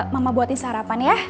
mama buatin sarapan ya